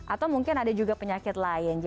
atau mungkin ada juga penyakit lain